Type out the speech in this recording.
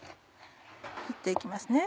切って行きます。